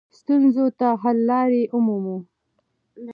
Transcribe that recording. ستونزو ته حل لارې ومومو.